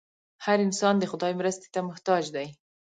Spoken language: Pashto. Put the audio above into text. هر انسان د خدای مرستې ته محتاج دی.